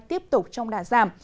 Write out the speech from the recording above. tiếp tục trong đà giảm